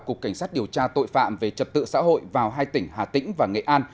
cục cảnh sát điều tra tội phạm về trật tự xã hội vào hai tỉnh hà tĩnh và nghệ an